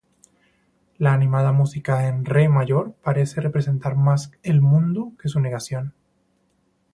La animada música en re mayor parece representar más el "mundo" que su negación.